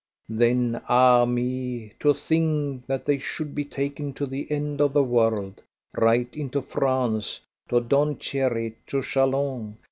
Then ah! me, to think that they should be taken to the end of the world right into France, to Donchery, to Chalons.